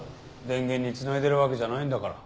電源に繋いでるわけじゃないんだから。